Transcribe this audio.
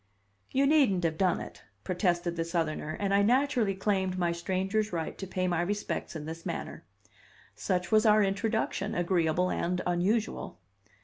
"You needn't have done it," protested the Southerner, and I naturally claimed my stranger's right to pay my respects in this manner. Such was our introduction, agreeable and unusual.